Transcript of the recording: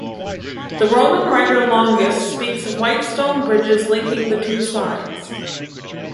The Roman writer Longus speaks of white stone bridges linking the two sides.